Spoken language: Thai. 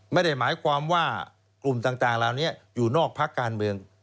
ไม่ได้หมายความว่ากลุ่มต่างเหล่านี้อยู่นอกพักการเมือง